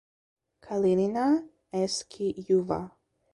Kalinina (Eski Juva).